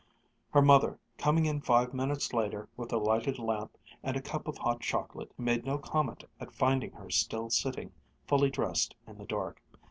Her mother, coming in five minutes later with a lighted lamp and a cup of hot chocolate, made no comment at finding her still sitting, fully dressed in the dark.